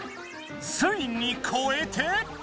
ついにこえて。